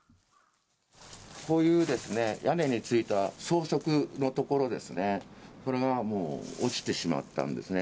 こういうですね、屋根に付いた装飾の所ですね、これがもう落ちてしまったんですね。